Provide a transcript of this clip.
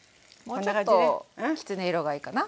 もうちょっときつね色がいいかな。